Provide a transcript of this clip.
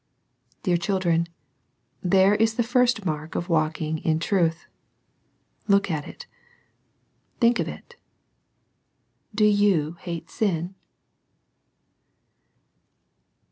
Dear children, there is the first mark of walk ing in truth. Look at it. Think of it. Do you hate sin